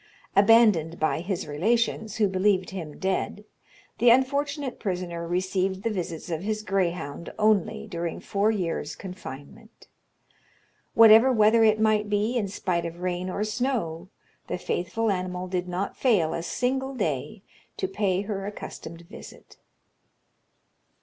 Abandoned by his relations, who believed him dead, the unfortunate prisoner received the visits of his greyhound only, during four years' confinement. Whatever weather it might be, in spite of rain or snow, the faithful animal did not fail a single day to pay her accustomed visit.